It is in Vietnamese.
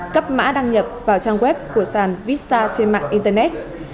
cấp mã đăng nhập vào trang web của sàn visa trên mạng internet